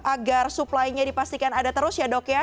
agar supply nya dipastikan ada terus ya dok ya